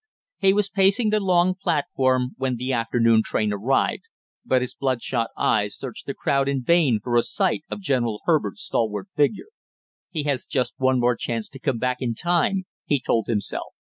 He was pacing the long platform when the afternoon train arrived, but his bloodshot eyes searched the crowd in vain for a sight of General Herbert's stalwart figure. "He has just one more chance to get back in time!" he told himself.